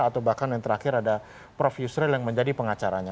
atau bahkan yang terakhir ada prof yusril yang menjadi pengacaranya